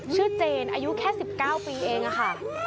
ชื่อเจนอายุแค่๑๙ปีเองอะค่ะ